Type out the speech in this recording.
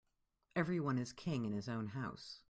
Every one is king in his own house.